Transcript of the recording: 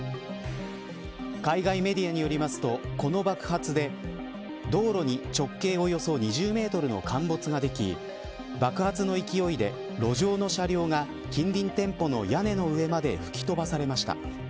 海外メディアによりますとこの爆発で、道路に直径およそ２０メートルの陥没ができ爆発の勢いで路上の車両が近隣店舗の屋根の上まで吹き飛ばされました。